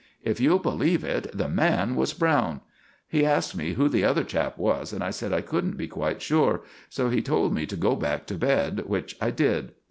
If you'll believe it, the man was Browne! He asked me who the other chap was, and I said I couldn't be quite sure; so he told me to go back to bed, which I did.